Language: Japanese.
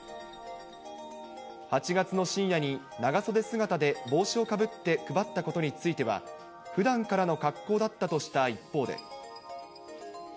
８月の深夜に長袖姿で帽子をかぶって配ったことについては、ふだんからの格好だったとした一方で。